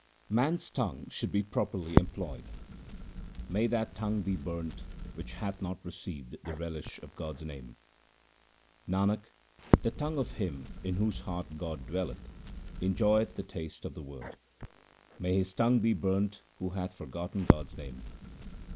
Man's tongue should be properly employed :— May that tongue be burnt which hath not received the relish of God's name ! Nanak, the tongue of him in whose heart God dwelleth, enjoyeth the taste of the Word. May his tongue be burnt who hath forgotten God's name